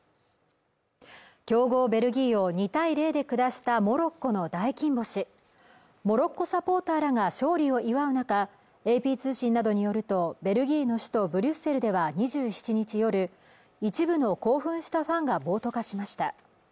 強豪ベルギーを２−０で下したモロッコの大金星モロッコサポーターらが勝利を祝う中ＡＰ通信などによるとベルギーの首都ブリュッセルでは２７日夜一部の興奮したファンが暴徒化しました